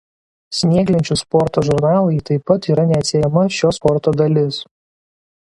Snieglenčių sporto žurnalai taip pat yra neatsiejama šio sporto dalis.